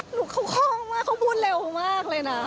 หนูเขาคล่องมากเขาพูดเร็วมากเลยนะ